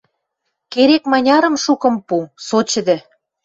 Керек-манярым шукым пу – со чӹдӹ...